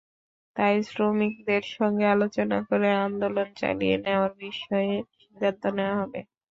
তাই শ্রমিকদের সঙ্গে আলোচনা করে আন্দোলন চালিয়ে নেওয়ার বিষয়ে সিদ্ধান্ত নেওয়া হবে।